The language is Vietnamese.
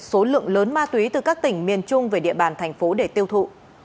số lượng lớn ma túy từ các tỉnh miền trung về địa bàn thành phố để tiêu thụ